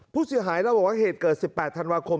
ผู้เสียหายเล่าบอกว่าเหตุเกิด๑๘ธันวาคม